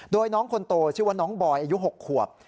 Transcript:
โดยน้องคนโตชื่อว่าน้องบอยอายุ๖ขวบ